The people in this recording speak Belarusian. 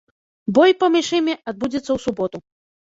Бой паміж імі адбудзецца ў суботу.